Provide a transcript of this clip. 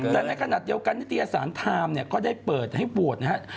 แต่ในขณะเดียวกันนิตยสารไทม์เนี่ยก็ได้เปิดให้บวชนะครับ